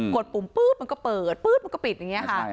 ดปุ่มปื๊ดมันก็เปิดปื๊ดมันก็ปิดอย่างนี้ค่ะ